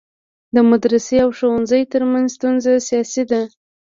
د مدرسي او ښوونځی ترمنځ ستونزه سیاسي ده.